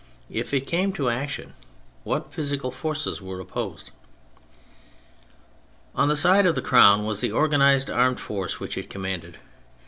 If it came to action, what physical forces were opposed ? On the side of the Crown was the organised armed force which it commanded.